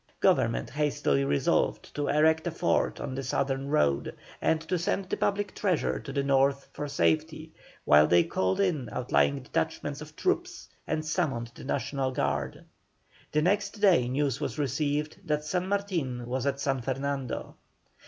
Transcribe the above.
Government hastily resolved to erect a fort on the southern road, and to send the public treasure to the North for safety, while they called in outlying detachments of troops and summoned the National Guard. The next day news was received that San Martin was at San Fernando.